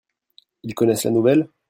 Ils connaissent la nouvelle ?